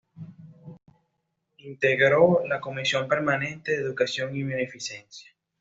Integró la comisión permanente de Educación y Beneficencia.